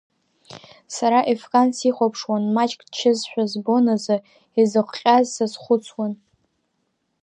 Сара, Ефкан сихәаԥшуан маҷк дчызшәа збон азы, изыхҟьаз сазхәыцуан.